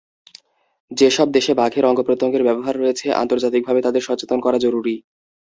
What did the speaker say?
যেসব দেশে বাঘের অঙ্গপ্রত্যঙ্গের ব্যবহার রয়েছে, আন্তর্জাতিকভাবে তাদের সচেতন করা জরুরি।